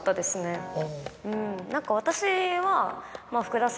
何か私は。